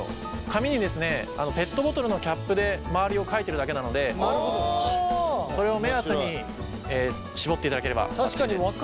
紙にペットボトルのキャップで周りを書いてるだけなのでそれを確かに分かりやすいですね